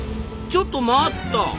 ちょっと待った！